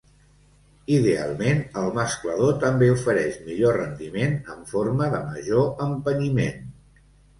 Idealment, el mesclador també ofereix millor rendiment en forma de major empenyiment.